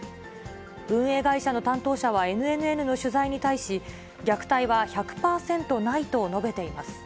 運営会社の担当者はＮＮＮの取材に対し、虐待は１００％ないと述べています。